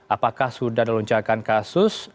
apakah sudah ada lonjakan kasus